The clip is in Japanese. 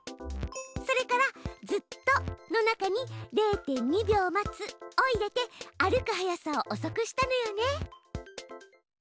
それから「ずっと」の中に「０．２秒待つ」を入れて歩く速さをおそくしたのよね。